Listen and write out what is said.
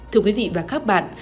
thưa quý vị và các bạn